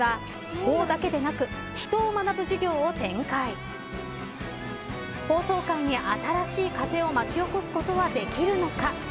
法曹界に新しい風を巻き起こすことはできるのか。